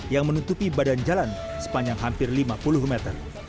yang menutupi badan jalan sepanjang hampir lima puluh meter